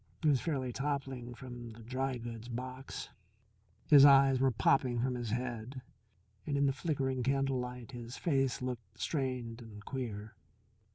He was fairly toppling from the dry goods box. His eyes were popping from his head, and in the flickering candlelight his face looked strained and queer.